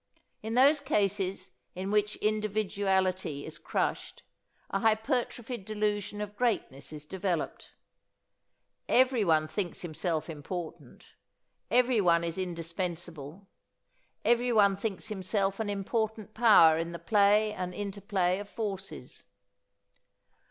In those cases in which individuality is crushed, a hypertrophied delusion of greatness is developed. Everyone thinks himself important, everyone is indispensable, everyone thinks himself an important power in the play and interplay of forces.